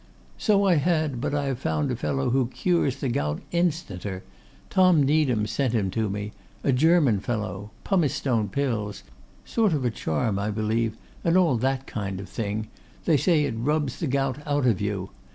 'So I had; but I have found out a fellow who cures the gout instanter. Tom Needham sent him to me. A German fellow. Pumicestone pills; sort of a charm, I believe, and all that kind of thing: they say it rubs the gout out of you.